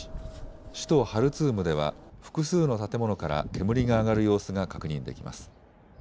首都ハルツームでは複数の建物から煙が上がる様子が確認できます。